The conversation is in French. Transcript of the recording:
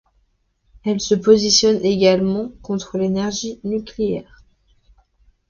Elle se positionne également contre l'énergie nucléaire.